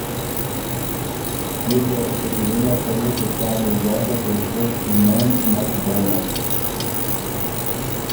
کيې که شکیلۀ لاسته وې ته سا بېځاکه پېشکش یمېند نک درنک۔